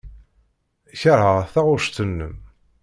Keṛheɣ taɣect-nnem.